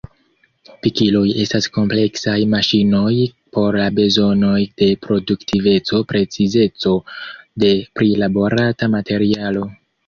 Pikiloj estas kompleksaj maŝinoj por la bezonoj de produktiveco, precizeco de prilaborata materialo.